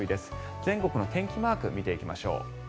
全国の天気マークを見ていきましょう。